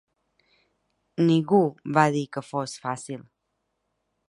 Ningú va dir que fos fàcil.